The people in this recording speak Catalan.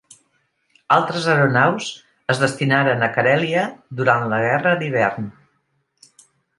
Altres aeronaus es destinaren a Carèlia durant la Guerra d'Hivern.